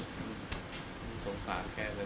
สงสารน้องสงสารลูกแก